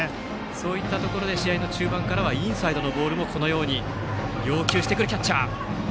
そういったところで試合の中盤からはインサイドのボールも要求しているキャッチャー。